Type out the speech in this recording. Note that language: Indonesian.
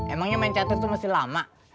emangnya main catur itu masih lama